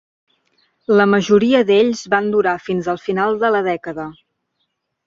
La majoria d'ells van durar fins al final de la dècada.